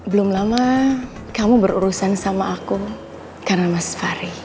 belum lama kamu berurusan sama aku karena mas fahri